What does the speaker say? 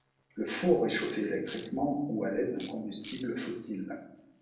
Le four est chauffé électriquement ou à l'aide d'un combustible fossile.